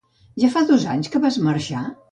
Ja fa dos anys que vas marxar?